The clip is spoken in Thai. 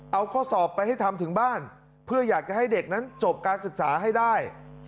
เอาข้อสอบไปให้ทำถึงบ้านเพื่ออยากจะให้เด็กนั้นจบการศึกษาให้ได้